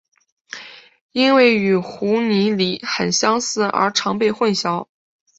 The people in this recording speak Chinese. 因为与湖拟鲤很相似而常被混淆。